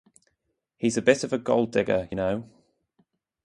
He’s a bit of a gold-digger you know.